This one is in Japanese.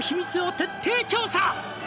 「徹底調査」